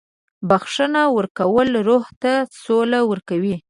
• بخښنه ورکول روح ته سوله ورکوي.